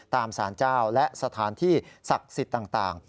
ตามสารเจ้าและสถานที่ศักดิ์สิทธิ์ต่าง